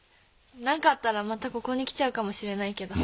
何かあったらまたここに来ちゃうかもしれないけど。